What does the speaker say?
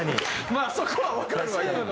まあそこはわかるわ。